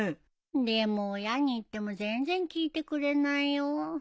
でも親に言っても全然聞いてくれないよ。